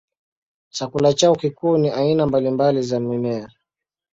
Chakula chao kikuu ni aina mbalimbali za mimea.